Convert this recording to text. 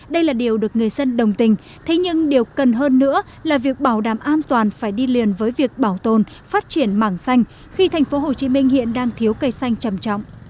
đây là điều được người dân đồng tình thế nhưng điều cần hơn nữa là việc bảo đảm an toàn phải đi liền với việc bảo tồn phát triển mảng xanh khi thành phố hồ chí minh hiện đang thiếu cây xanh chầm trọng